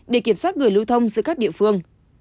để kiểm soát người lưu thông giữa các địa phương